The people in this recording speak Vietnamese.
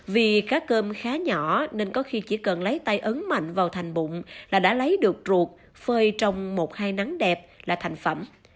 vì cá cơm khá nhỏ nên có khi chỉ cần lấy tay ấn mạnh vào thành bụng là đã lấy được ruột phơi trong một hai nắng đẹp là thành phẩm